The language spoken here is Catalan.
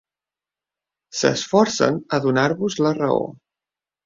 S'esforcen a donar-vos la raó.